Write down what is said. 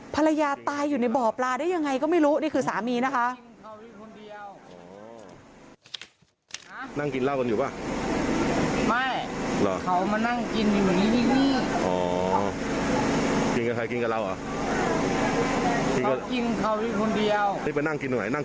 ภรรยาตายอยู่ในบ่อปลาได้ยังไงก็ไม่รู้นี่คือสามีนะคะ